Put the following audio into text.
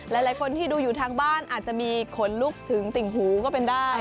หลายคนที่ดูอยู่ทางบ้านอาจจะมีขนลุกถึงติ่งหูก็เป็นได้